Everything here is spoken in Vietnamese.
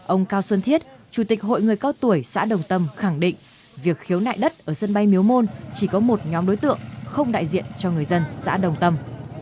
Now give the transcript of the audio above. ông cao xuân thiết chủ tịch hội người cao tuổi xã đồng tâm khẳng định việc khiếu nại đất ở sân bay miếu môn chỉ có một nhóm đối tượng không đại diện cho người dân xã đồng tâm